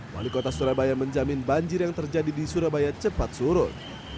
wali kota surabaya menjamin banjir yang terjadi di surabaya cepat surut